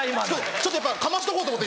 ちょっとかましとこうと思って。